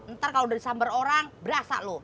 ntar kalau udah disambar orang berasa loh